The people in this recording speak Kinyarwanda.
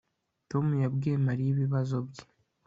Tom yabwiye Mariya ibibazo bye